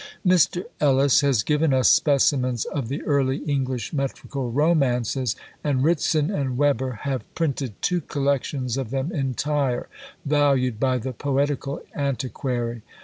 Mr. Ellis has given us "Specimens of the Early English Metrical Romances," and Ritson and Weber have printed two collections of them entire, valued by the poetical antiquary.